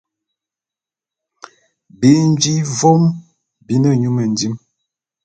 Bi nji vôm bi ne nyu mendim.